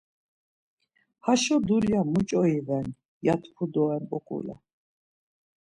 Haşo dulya muç̌o iven, ya tku doren oǩule.